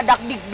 ada ada apa